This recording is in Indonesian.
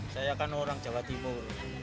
saya kan orang jawa timur